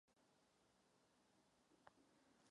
Bývá často nesprávně označovaná jako kůra.